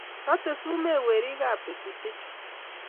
Ratei sumek werikab betusiechu